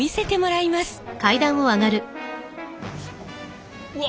いや。